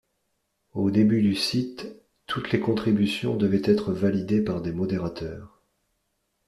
Aux débuts du site, toutes les contributions devaient être validées par des modérateurs.